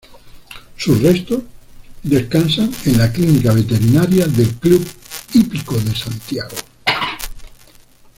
Sus restos descansan en la clínica veterinaria del Club Hípico de Santiago.